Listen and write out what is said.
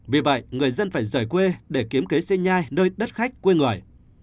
vì vậy người dân phải rời quê để kiếm kế sinh nhai nơi đất khách quê người